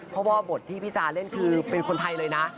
เพราะว่าบทที่พี่จาเล่นคือเป็นคนไทยเลยนะ